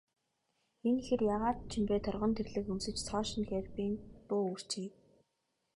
Энэ хэр яагаад ч юм бэ, торгон тэрлэг өмсөж, цоо шинэ карбин буу үүрчээ.